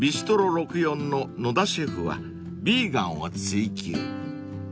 ６４の能田シェフはヴィーガンを追求］